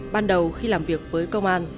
ban đầu khi làm việc với công an